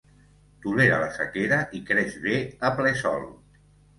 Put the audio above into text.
Tolera la sequera i creix bé a ple Sol.